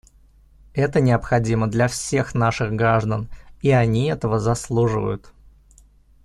Это необходимо для всех наших граждан, и они этого заслуживают.